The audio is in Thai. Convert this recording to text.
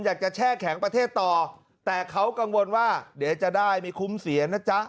แช่แข็งประเทศต่อแต่เขากังวลว่าเดี๋ยวจะได้มีคุ้มเสียนะจ๊ะ